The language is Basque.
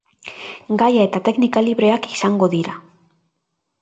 Gaia eta teknika libreak izango dira.